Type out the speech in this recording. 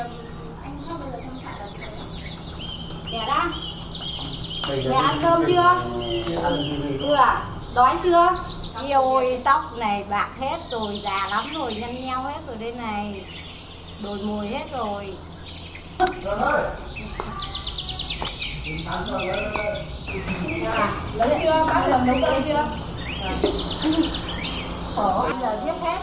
giờ nhau hết ở đây này đổi mùi hết rồi